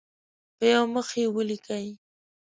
په یو مخ کې یې ولیکئ.